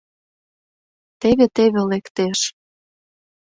Теве-теве лектеш...